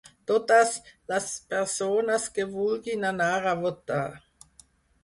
Totes les persones que vulguin anar a votar.